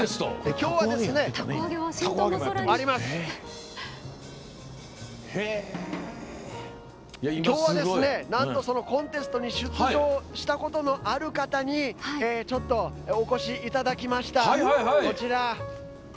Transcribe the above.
きょうは、なんとそのコンテストに出場したことのある方にちょっとお越しいただきました。